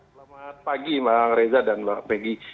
selamat pagi bang reza dan mbak peggy